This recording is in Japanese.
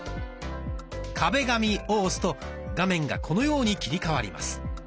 「壁紙」を押すと画面がこのように切り替わります。